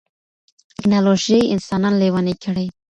ټيکنالوژي انسانان لېوني کړي.